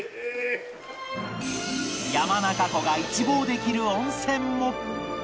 山中湖が一望できる温泉も